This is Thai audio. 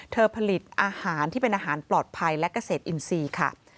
ผลิตอาหารที่เป็นอาหารปลอดภัยและเกษตรอินทรีย์ค่ะ